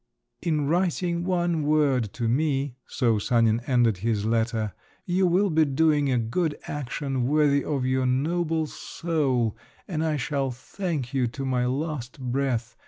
"In writing one word to me," so Sanin ended his letter, "you will be doing a good action worthy of your noble soul, and I shall thank you to my last breath.